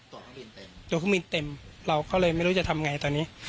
เดี๋ยวก็มีเต็มเราก็เลยไม่รู้จะทำอย่างไรตอนนี้